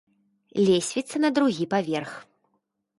Лесвіца на другі паверх.